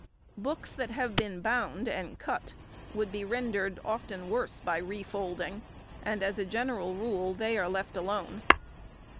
] Books that have been bound and cut would be rendered often worse by refolding, and as a general rule they are left alone.